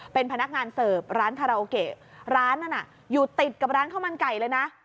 เป็นพนักงานเสิร์ฟร้านคาราโอเกะร้านนั้นอยู่ติดกับร้านข้าวมันไก่เลยนะ